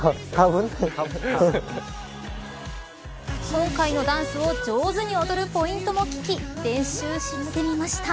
今回のダンスを上手に踊るポイントも聞き練習してみました。